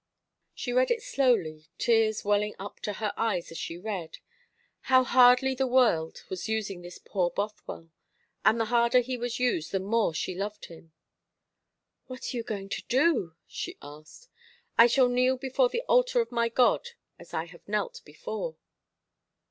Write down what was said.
She read it slowly, tears welling up to her eyes as she read. How hardly the world was using this poor Bothwell! and the harder he was used the more she loved him. "What are you going to do?" she asked. "I shall kneel before the altar of my God, as I have knelt before."